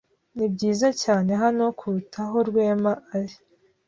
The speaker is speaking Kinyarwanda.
Ni byiza cyane hano kuruta aho Rwema ari.